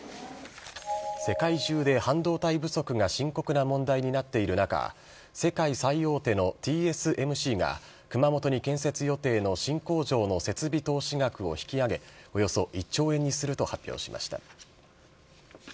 世界中で半導体不足が深刻な問題になっている中、世界最大手のＴＳＭＣが、熊本に建設予定の新工場の設備投資額を引き上げ、およそ１兆円にすると発表しました。